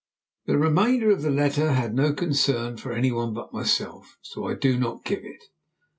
The remainder of the letter had no concern for any one but myself, so I do not give it.